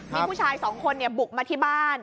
มีผู้ชายสองคนบุกมาที่บ้าน